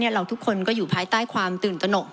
เราทุกคนก็อยู่ภายใต้ความตื่นตนก